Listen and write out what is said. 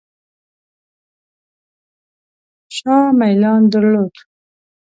شاه میلان درلود.